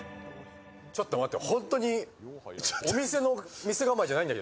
ちょっと待って。